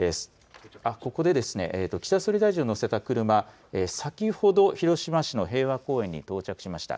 ここで岸田総理大臣を乗せた車、先ほど広島市の平和公園に到着しました。